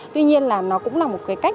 tuy nhiên là nó cũng là một cái cách